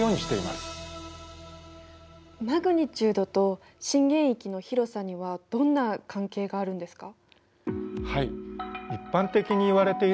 マグニチュードと震源域の広さにはどんな関係があるんですか？